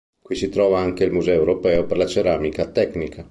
Qui si trova anche il museo europeo per la ceramica tecnica.